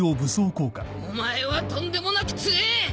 お前はとんでもなく強え！